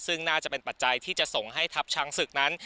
ซึ่งน่าจะเป็นปัจจัยที่จะส่งให้ทัพช้างศึกนั้น